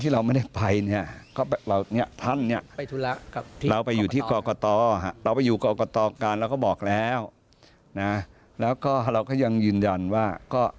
เราก็ยังยืนยันว่า